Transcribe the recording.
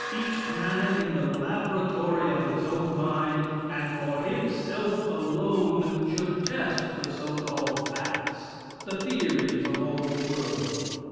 Each man, in the laboratory of his own mind, and for himself alone, should test the so called facts the theories of all the world.